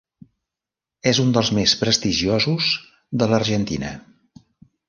És un dels més prestigiosos de l'Argentina.